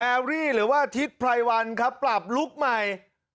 แอรี่หรือว่าทิศไพรวันครับปรับลุคใหม่